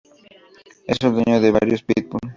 Él es dueño de varios Pitbull.